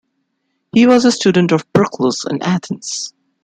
He was a student of Proclus in Athens.